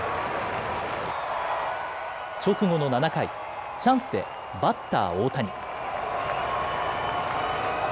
直後の７回、チャンスでバッター大谷。